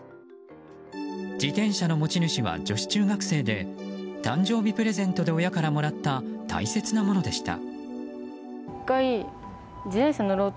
自転車の持ち主は女子中学生で誕生日プレゼントで親からもらった大切なものでした。